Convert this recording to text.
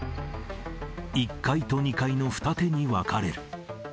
１階と２階の二手に分かれる。